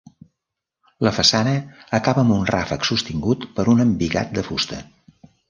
La façana acaba amb un ràfec sostingut per un embigat de fusta.